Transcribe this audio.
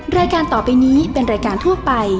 รายการต่อไปนี้เป็นรายการทั่วไป